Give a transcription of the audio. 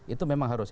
itu memang harus